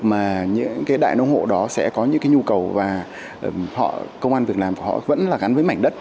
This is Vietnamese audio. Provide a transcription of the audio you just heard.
mà những đại nông hộ đó sẽ có những nhu cầu và công an việc làm của họ vẫn gắn với mảnh đất